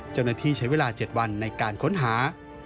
เจ้าหน้าที่ใช้เวลา๗วันในการค้นหา